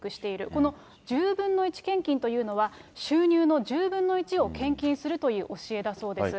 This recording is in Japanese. この１０分の１献金というのは、収入の１０分の１を献金するという教えだそうです。